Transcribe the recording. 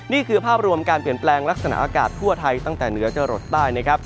นี่คือภาพรวมการเปลี่ยนแปลงลักษณะอากาศทั่วไทยตั้งแต่เหนือจะหลดใต้นะครับ